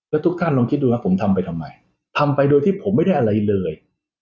แล้วทุกท่านลองคิดดูนะผมทำไปทำไมทำไปโดยที่ผมไม่ได้อะไรเลย